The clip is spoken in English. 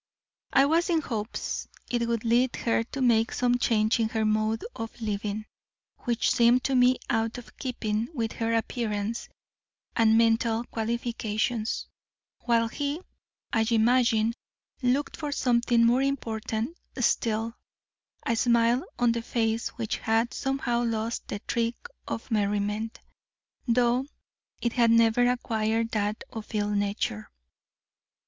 I was in hopes it would lead her to make some change in her mode of living, which seemed to me out of keeping with her appearance and mental qualifications; while he, I imagine, looked for something more important still a smile on the face which had somehow lost the trick of merriment, though it had never acquired that of ill nature.